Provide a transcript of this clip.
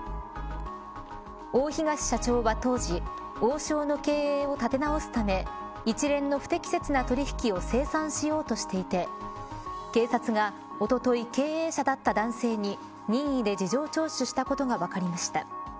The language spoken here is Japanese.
大東社長は当時王将の経営を立て直すため一連の不適切な取引を清算しようとしていて警察がおととい経営者だった男性に任意で事情聴取したことが分かりました。